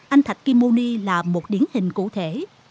anh thạch kim mô ni là một điển hình cụ thể